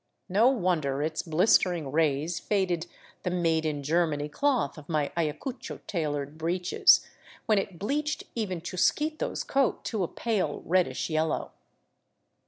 No wonder its blistering rays faded the made in Germany cloth of my Ayacucho tailored breeches, when it bleached even Chusquito's coat to a pale, reddish yellow.